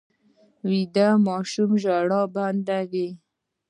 ویده ماشوم ژړا بنده وي